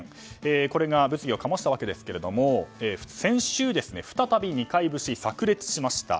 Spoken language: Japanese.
これが物議を醸したわけですが先週、再び二階節が炸裂しました。